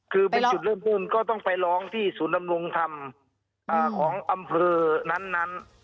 คือเป็นจุดเริ่มต้นก็ต้องไปร้องที่ศูนย์ดำรงธรรมของอำเภอนั้น